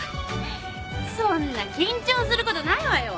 そんな緊張することないわよ。